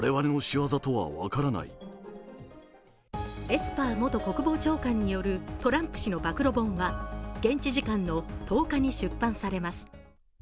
エスパー元国防長官によるトランプ氏の暴露本は現地時間の１０日に出版されます。